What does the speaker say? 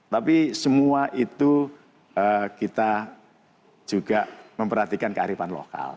tapi semua itu kita juga memperhatikan kearifan lokal